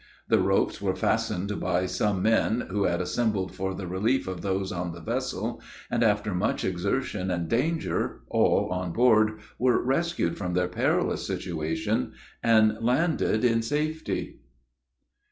The ropes were fastened by some men, who had assembled for the relief of those on the vessel, and after much exertion and danger all on board were rescued from their perilous situation, and landed in safety.